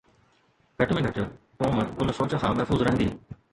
گهٽ ۾ گهٽ قوم ان سوچ کان محفوظ رهندي.